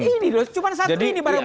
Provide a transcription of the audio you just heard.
ini loh cuma satu ini para putihnya